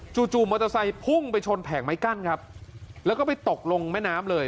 จู่มอเตอร์ไซค์พุ่งไปชนแผงไม้กั้นครับแล้วก็ไปตกลงแม่น้ำเลย